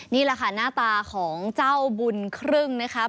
นี่แหละค่ะหน้าตาของเจ้าบุญครึ่งนะครับ